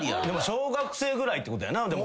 でも小学生ぐらいってことやな。